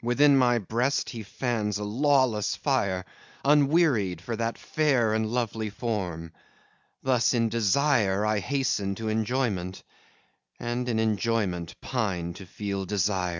Within my breast he fans a lawless fire, Unwearied, for that fair and lovely form: Thus in desire I hasten to enjoyment, And in enjoyment pine to feel desire.